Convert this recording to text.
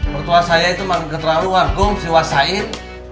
pertua saya itu memang terlalu wargum si wasain